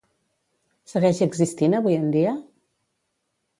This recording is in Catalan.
Segueix existint avui en dia?